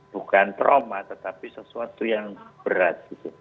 bukan trauma tetapi sesuatu yang berat